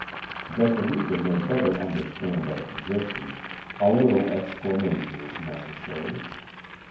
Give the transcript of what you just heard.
That the reader may better under stand our positions, a little explanation is necessary.